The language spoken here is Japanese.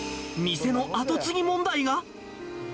店の後継ぎ問題が？